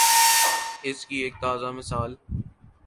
اس کی ایک تازہ مثال